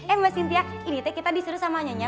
eh mbak cynthia ini teh kita disuruh sama nyonya